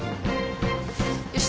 よし。